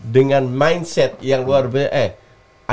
dengan mindset yang luar biasa